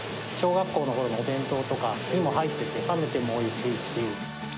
小学校のころのお弁当とかにも入ってて、冷めてもおいしいし。